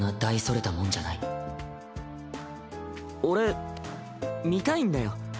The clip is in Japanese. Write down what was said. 俺見たいんだよ